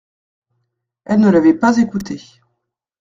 Elles ne l’avaient pas écoutée.